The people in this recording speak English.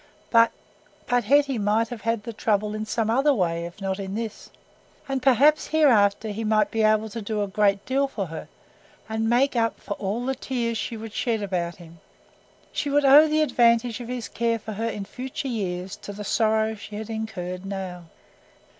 But—but Hetty might have had the trouble in some other way if not in this. And perhaps hereafter he might be able to do a great deal for her and make up to her for all the tears she would shed about him. She would owe the advantage of his care for her in future years to the sorrow she had incurred now.